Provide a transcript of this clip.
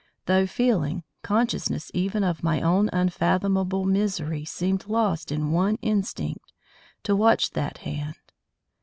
Thought, feeling, consciousness even of my own unfathomable misery seemed lost in the one instinct to watch that hand.